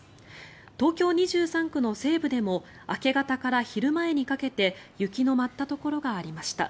東京２３区の西部でも明け方から昼前にかけて雪の舞ったところがありました。